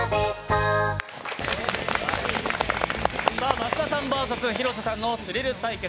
益田さんＶＳ広瀬さんのスリル対決。